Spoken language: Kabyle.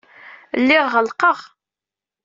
Lliɣ ɣelqeɣ.